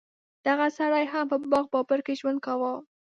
دغه سړي هم په باغ بابر کې ژوند کاوه.